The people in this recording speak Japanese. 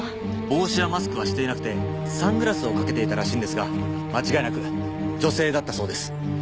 帽子やマスクはしていなくてサングラスをかけていたらしいんですが間違いなく女性だったそうです。